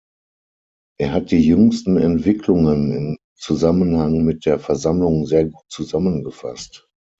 Er hat die jüngsten Entwicklungen im Zusammenhang mit der Versammlung sehr gut zusammengefasst.